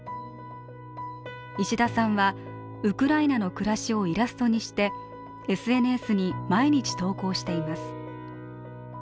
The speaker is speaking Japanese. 石田さんはウクライナの暮らしをイラストにしてＳＮＳに毎日、投稿しています。